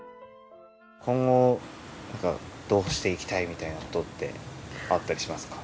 今後どうしていきたいみたいなことってあったりしますか？